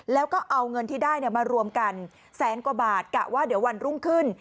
แล้วก็เอาเงินที่ได้มารวมกันแสนกว่าบาทกะว่าเดี๋ยววันรุ่งขึ้น